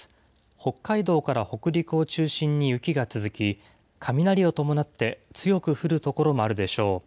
北海道から北陸を中心に雪が続き、雷を伴って、強く降る所もあるでしょう。